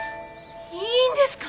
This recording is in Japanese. いいんですか？